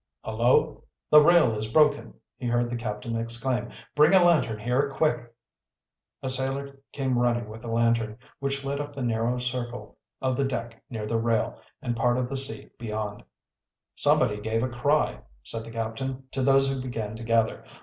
"Hullo, the rail is broken!" he heard the captain exclaim. "Bring a lantern here, quick!" A sailor came running with a lantern, which lit up the narrow circle of the deck near the rail and part of the sea beyond. "Somebody gave a cry," said the captain, to those who began to gather.